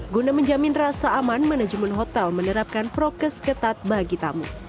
guna menjamin rasa aman manajemen hotel menerapkan prokes ketat bagi tamu